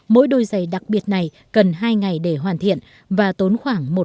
mỗi đôi giày đặc biệt này cần hai ngày để hoàn thiện và tốn khoảng một mét vuông ra